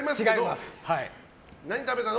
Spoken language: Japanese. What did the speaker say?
何食べたの？